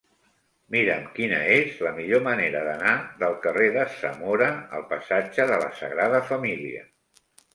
Mira'm quina és la millor manera d'anar del carrer de Zamora al passatge de la Sagrada Família.